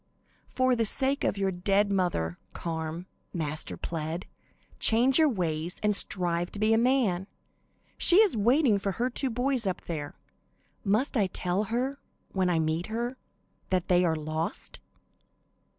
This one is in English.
"For the sake of your dead mother, Carm," Master pled, "change your ways and strive to be a man. She is waiting for her two boys up there. Must I tell her, when I meet her, that they are lost?"